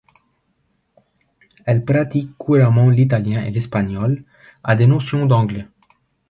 Elle pratique couramment l'italien et l'espagnol, a des notions d'anglais.